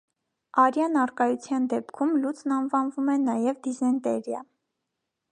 Արյան առկայության դեպքում լուծն անվանվում է նաև դիզենտերիա։